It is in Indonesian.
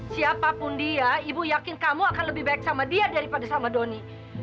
siapapun dia ibu yakin kamu akan lebih baik sama dia daripada sama doni